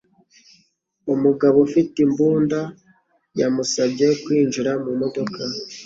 Umugabo ufite imbunda yamusabye kwinjira mu modoka.